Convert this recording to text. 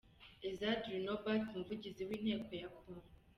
Ezadri Norbert Umuvugizi w’inteko ya Congo.